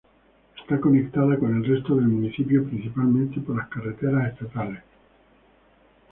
Está conectada con el resto del municipio principalmente por las carreteras estatales No.